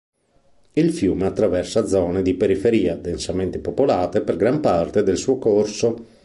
Il fiume attraversa zone di periferia densamente popolate per gran parte del suo corso.